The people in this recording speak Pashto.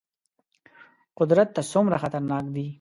قدرت ته څومره خطرناک دي.